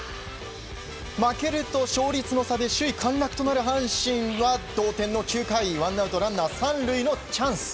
負けると勝率の差で首位陥落となる阪神は同点の９回ワンアウトランナー、３塁のチャンス。